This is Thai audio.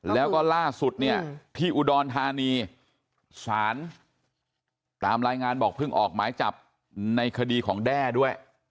แล้วก็ล่าสุดเนี่ยที่อุดรธานีสารตามรายงานบอกเพิ่งออกหมายจับในคดีของแด้ด้วย